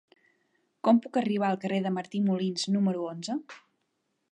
Com puc arribar al carrer de Martí Molins número onze?